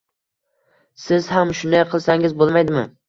Siz ham shunday qilsangiz bo`lmaydimi